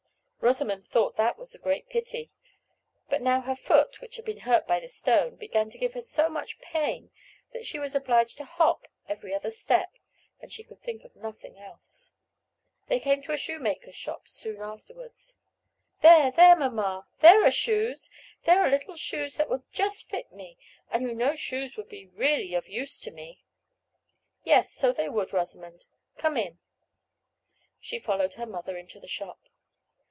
Rosamond thought that was a great pity. But now her foot, which had been hurt by the stone, began to give her so much pain that she was obliged to hop every other step, and she could think of nothing else. They came to a shoemaker's shop soon afterwards. "There, there! mamma, there are shoes; there are little shoes that would just fit me, and you know shoes would be really of use to me." "Yes, so they would, Rosamond. Come in." She followed her mother into the shop.